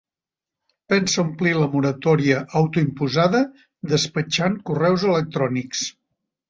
Pensa omplir la moratòria autoimposada despatxant correus electrònics.